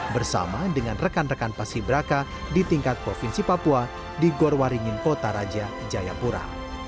bersama dengan rekan rekan paski braka di tingkat provinsi papua di gorwaringin kota raja jayapura